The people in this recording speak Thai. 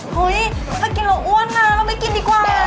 เฮ้ยถ้ากินเราอ้วนมาเราไม่กินดีกว่า